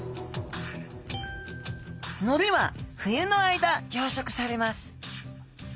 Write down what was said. のりは冬の間養殖されます。